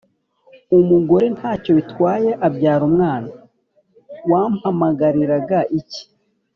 Umugore ntacyo bitwaye abyara umwana wampamagariraga iki.